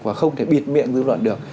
và không thể bịt miệng dư luận được